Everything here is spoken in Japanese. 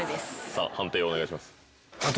さぁ判定をお願いします。